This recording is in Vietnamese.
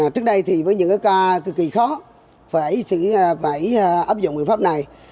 trước đây với những ca cực kỳ khó phải áp dụng phương pháp này